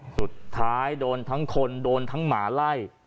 สุดท้ายโดนทั้งคนโดนทั้งหมาไล่